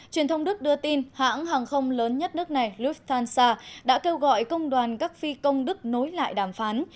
truyền thông đức đưa tin hãng hàng không lớn nhất nước này lufthansa đã kêu gọi công đoàn các phi công đức nối lại đàm phán